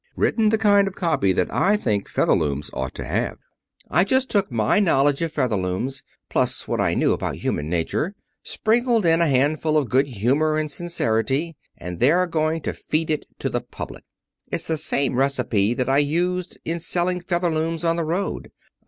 "Written the kind of copy that I think Featherlooms ought to have. I just took my knowledge of Featherlooms, plus what I knew about human nature, sprinkled in a handful of good humor and sincerity, and they're going to feed it to the public. It's the same recipe that I used to use in selling Featherlooms on the road.